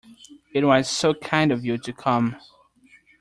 It was so kind of you to come!